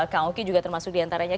kang oki juga termasuk diantaranya